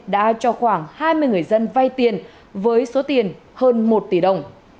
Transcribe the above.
đã cho khoảng hai mươi người dân vay tiền với số tiền hơn một tỷ đồng